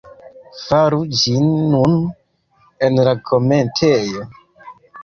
Faru ĝin nun en la komentejo